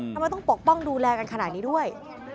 ทำไมต้องปกป้องดูแลกันขนาดนี้ด้วย